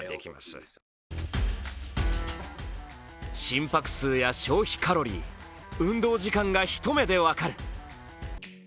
心拍数や消費カロリー、運動時間が一目で分かる。